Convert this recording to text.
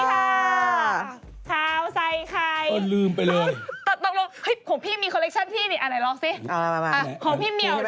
เอาหน่อยลองสิของพี่เมียวดูนะคะสวัสดีครับ